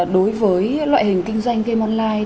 đối với loại hình kinh doanh game online